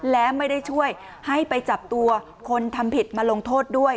และไม่ได้ช่วยให้ไปจับตัวคนทำผิดมาลงโทษด้วย